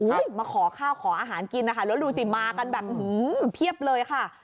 มาขอข้าวขออาหารกินนะคะแล้วดูสิมากันแบบเพียบเลยค่ะ